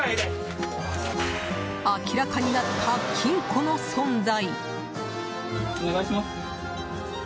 明らかになった金庫の存在。